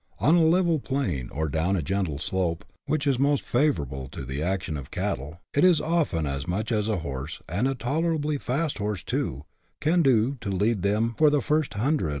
On a level plain, or down a gentle slope, which is most favourable to the action of cattle, it is often as much as a horse, and a tolerably fast horse too, can do to head some of them for the first hundred CHAP.